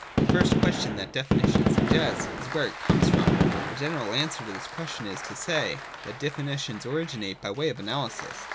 — The first question that definition suggests, is where it comes from. The general answer to this question is to say, that definitions originate by way of analysis.